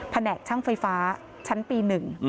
แหนกช่างไฟฟ้าชั้นปี๑